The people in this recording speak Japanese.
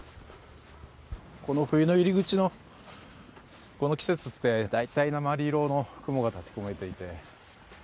この冬の入り口の、この季節って大体鉛色の雲が立ち込めていて。